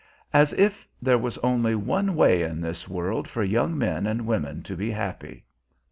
As if there was only one way in this world for young men and women to be happy!